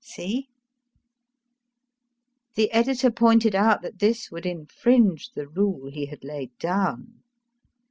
See ? The editor pointed out that this would infringe the rule he had laid clown.